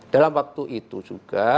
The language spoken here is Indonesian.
dalam waktu itu juga